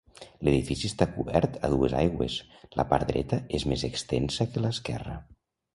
L'edifici està cobert a dues aigües, la part dreta és més extensa que l'esquerra.